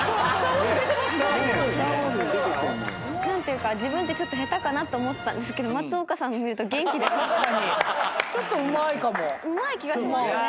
何ていうか自分ってちょっと下手かなと思ってたんですけど松岡さんの見ると元気出ます。